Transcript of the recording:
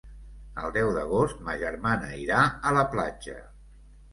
El deu d'agost ma germana irà a la platja.